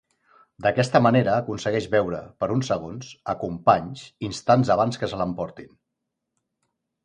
D’aquesta manera aconsegueix veure, per uns segons, a Companys instants abans que se l'emportin.